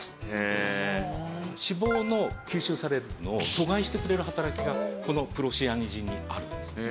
脂肪の吸収されるのを阻害してくれる働きがこのプロシアニジンにあるんです。